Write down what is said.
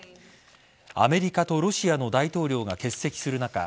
アメリカとロシアの大統領が欠席する中